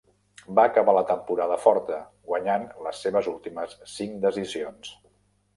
Va acabar la temporada forta, guanyant les seves últimes cinc decisions.